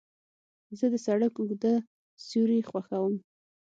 زه د سړک اوږده سیوري خوښوم.